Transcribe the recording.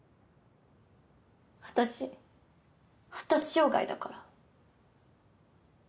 私発達障害だから。